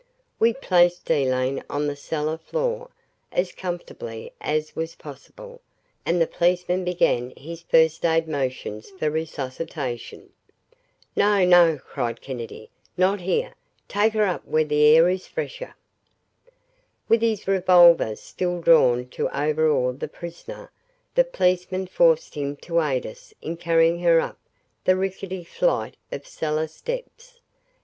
We placed Elaine on the cellar floor, as comfortably as was possible, and the policeman began his first aid motions for resuscitation. "No no," cried Kennedy, "Not here take her up where the air is fresher." With his revolver still drawn to overawe the prisoner, the policeman forced him to aid us in carrying her up the rickety flight of cellar steps.